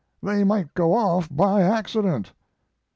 They might go off by accident.'